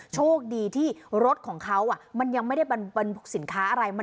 โชคดีที่รถของเขามันยังไม่ได้บรรทุกสินค้าอะไร